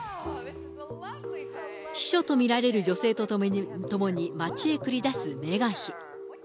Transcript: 秘書と見られる女性と共に街へ繰り出すメーガン妃。